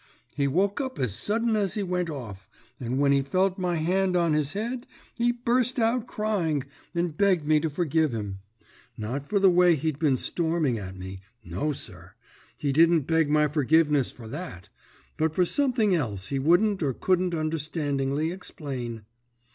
"He woke up as sudden as he went off, and when he felt my hand on his head he burst out crying and begged me to forgive him. Not for the way he'd been storming at me no, sir, he didn't beg my forgiveness for that, but for something else he wouldn't or couldn't understandingly explain."